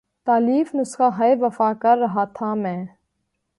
تالیف نسخہ ہائے وفا کر رہا تھا میں